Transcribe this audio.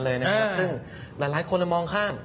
ซึ่งหลายคนมองข้าม